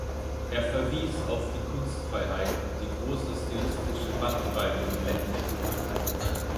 Er verwies auf die Kunstfreiheit und die große stilistische Bandbreite im Black Metal.